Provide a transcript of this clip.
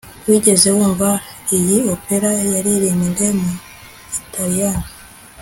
wigeze wumva iyi opera yaririmbwe mu gitaliyani